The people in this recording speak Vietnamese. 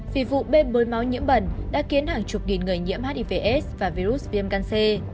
vì vụ bê bối máu nhiễm bẩn đã khiến hàng chục nghìn người nhiễm hivs và virus viêm gan c